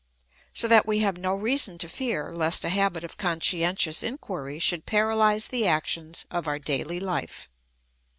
So that we have no reason to fear lest a habit of conscientious inquiry should paralyse the actions of our daily life.